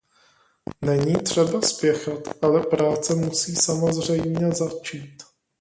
Není třeba spěchat, ale práce musí samozřejmě začít.